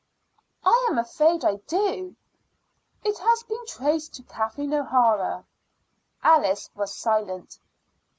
"I am afraid I do." "It has been traced to Kathleen O'Hara." Alice was silent.